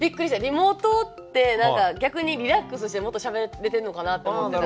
リモートって何か逆にリラックスしてもっとしゃべれてんのかなって思ってたから。